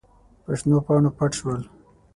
په شنو پاڼو پټ شول.